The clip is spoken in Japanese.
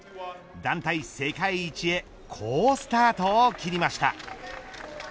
団体世界一へ好スタートを切りました。